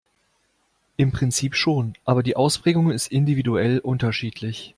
Im Prinzip schon, aber die Ausprägung ist individuell unterschiedlich.